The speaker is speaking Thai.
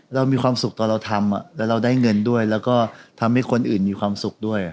เรามีความสุขตอนเราทำแล้วเราได้เงินด้วยแล้วก็ทำให้คนอื่นมีความสุขด้วย